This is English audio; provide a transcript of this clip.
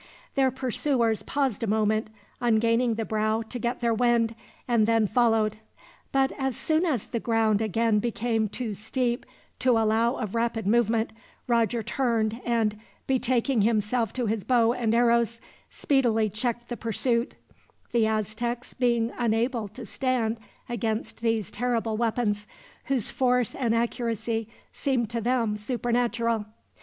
Their pursuers paused a moment on gaining the brow to get their wind, and then followed; but as soon as the ground again became too steep to allow of rapid movement, Roger turned and, betaking himself to his bow and arrows, speedily checked the pursuit; the Aztecs being unable to stand against these terrible weapons, whose force and accuracy seemed to them supernatural.